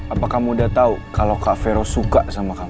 apa kamu udah tau kalau kak vero suka sama kamu